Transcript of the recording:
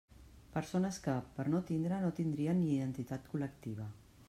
Persones que, per no tindre no tindrien ni identitat col·lectiva.